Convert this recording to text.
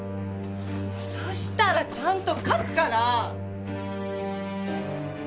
そしたらちゃんと書くから。